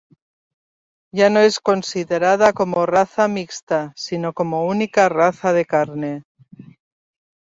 Ya no es considerada como raza mixta, sino como única raza de carne.